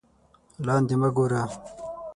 لاندې مه گوره